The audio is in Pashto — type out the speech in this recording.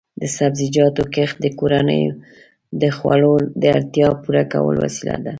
د سبزیجاتو کښت د کورنیو د خوړو د اړتیا پوره کولو وسیله ده.